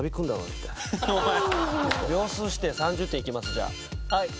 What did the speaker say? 秒数指定３０点いきますじゃあ。